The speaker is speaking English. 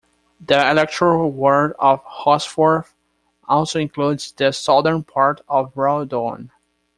The electoral ward of Horsforth also includes the southern part of Rawdon.